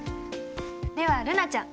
では瑠菜ちゃん。